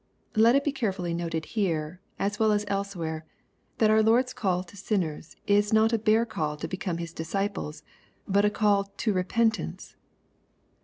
] Let it be carefully noted here, as well aa elsewhere, that our Lord's call to sinners is not a bare call to be come his disciples, but a call " to repentance."